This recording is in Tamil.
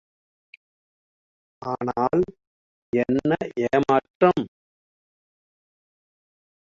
ஆனால், என்ன ஏமாற்றம்!